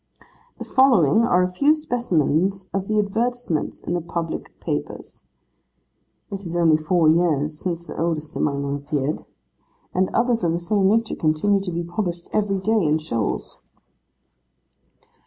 The following are a few specimens of the advertisements in the public papers. It is only four years since the oldest among them appeared; and others of the same nature continue to be published every day, in shoals.